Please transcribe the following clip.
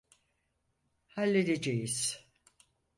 Halledeceğiz.